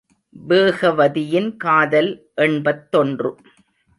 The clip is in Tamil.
வேகவதியின் காதல் எண்பத்தொன்று.